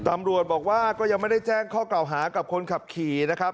ตำรวจบอกว่าก็ยังไม่ได้แจ้งข้อเก่าหากับคนขับขี่นะครับ